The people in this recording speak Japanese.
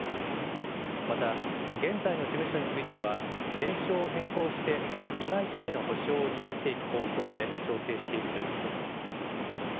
また、現在の事務所については名称を変更して、被害者への補償を担っていく方向で調整しているということです。